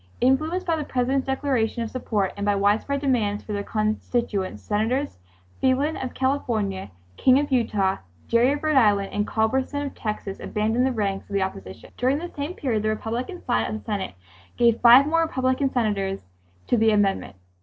Influenced by the President's declaration of support, and by widespread demands from their constituents, Senators Phelan of California, King of Utah, Gerry of Rhode Island, and Culberson of Texas abandoned the ranks of the opposition. During this same period the Republican side of the Senate gave five more Republican Senators to the amendment.